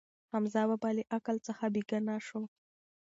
حمزه بابا له عقل څخه بېګانه شو.